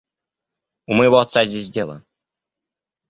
У моего отца здесь дело.